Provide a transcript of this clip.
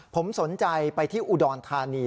ผมสนใจไปที่อุดรธานี